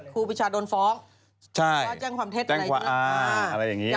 ครูพิชาโดนฟ้องใช่ก็แจ้งความเท็จอะไรอย่างนี้นะฮะอะไรอย่างงี้นะฮะ